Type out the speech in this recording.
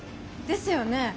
ですよね！